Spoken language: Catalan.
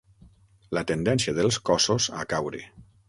La tendència dels cossos a caure.